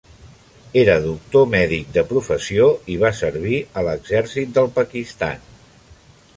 Era doctor mèdic de professió i va servir a l'exèrcit del Pakistan.